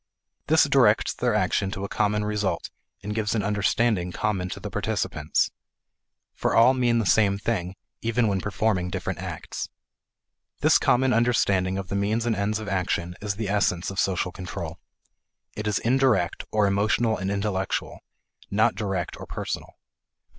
This directs their action to a common result, and gives an understanding common to the participants. For all mean the same thing, even when performing different acts. This common understanding of the means and ends of action is the essence of social control. It is indirect, or emotional and intellectual, not direct or personal.